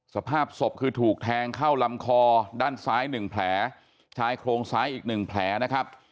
สภาพศพคือถูกแทงเข้าลำคอด้านซ้าย๑แผลชายโครงซ้ายอีก๑แผลนะครับ